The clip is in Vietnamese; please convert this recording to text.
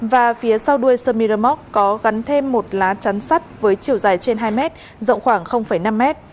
và phía sau đuôi sơ miramont có gắn thêm một lá trắn sắt với chiều dài trên hai m rộng khoảng năm m